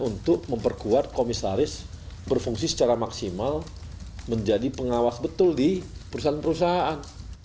untuk memperkuat komisaris berfungsi secara maksimal menjadi pengawas betul di perusahaan perusahaan